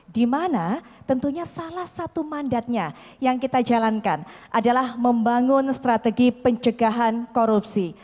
di mana tentunya salah satu mandatnya yang kita jalankan adalah membangun strategi pencegahan korupsi